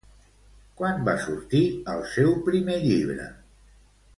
Quan va sortir el seu primer llibre?